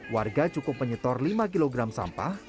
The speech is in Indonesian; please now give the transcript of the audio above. warga cukup menyetor lima kg sampah